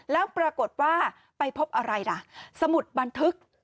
แล้วปรากฏว่าไปพบอะไรล่ะสมุดบันทึก